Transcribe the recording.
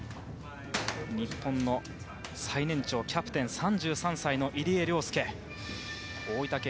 日本の最年長キャプテン３３歳の入江陵介大分県